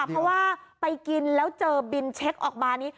เพราะว่าไปกินแล้วเจอบินเช็คออกมานี้